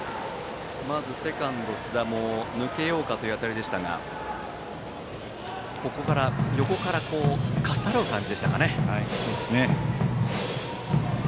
セカンド津田も抜けようかという当たりでしたが横からかっさらう感じでしたかね。